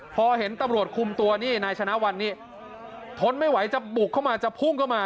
พอเห็นตำรวจคุมตัวนี่นายชนะวันนี่ทนไม่ไหวจะบุกเข้ามาจะพุ่งเข้ามา